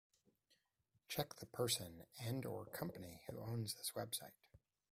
Check the person and/or company who owns this website.